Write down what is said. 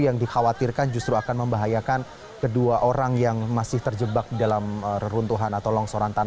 yang dikhawatirkan justru akan membahayakan kedua orang yang masih terjebak dalam reruntuhan atau longsoran